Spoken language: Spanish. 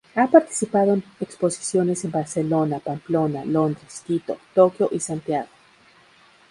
Ha participado en exposiciones en Barcelona, Pamplona, Londres, Quito, Tokio y Santiago.